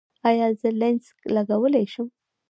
ایا زه لینز لګولی شم؟